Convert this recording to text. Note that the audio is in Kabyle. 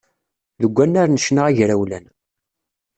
Deg wannar n ccna agrawlan.